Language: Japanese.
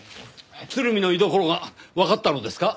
鶴見の居どころがわかったのですか？